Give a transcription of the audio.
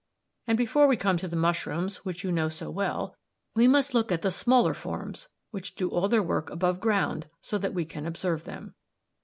And before we come to the mushrooms, which you know so well, we must look at the smaller forms, which do all their work above ground, so that we can observe them.